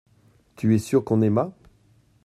Tu es sûr qu’on aima.